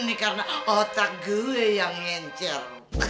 ini karena otak gue yang ngencel